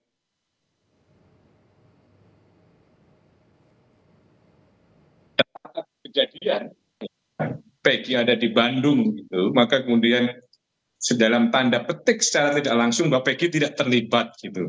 kejadian pegi ada di bandung maka kemudian sedalam tanda petik secara tidak langsung bahwa pegi tidak terlibat